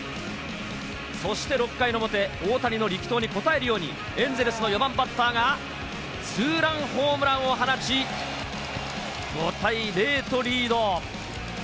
そして６回の表、大谷の力投に応えるようにエンゼルスの４番バッターがツーランホームランを放ち、５対０とリード。